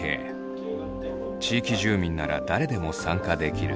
地域住民なら誰でも参加できる。